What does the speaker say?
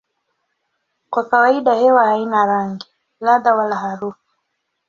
Kwa kawaida hewa haina rangi, ladha wala harufu.